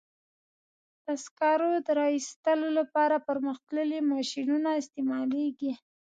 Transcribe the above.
د سکرو د را ایستلو لپاره پرمختللي ماشینونه استعمالېږي.